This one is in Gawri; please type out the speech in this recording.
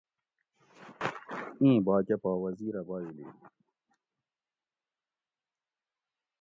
اِیں باکہ پا وزیر اۤ بایٔلی